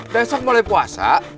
besok mulai puasa